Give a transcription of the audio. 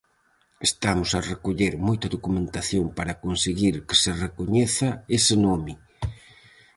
Estamos a recoller moita documentación para conseguir que se recoñeza ese nome.